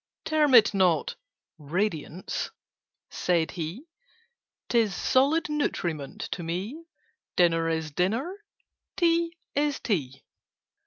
"Term it not 'radiance,'" said he: "'Tis solid nutriment to me. Dinner is Dinner: Tea is Tea."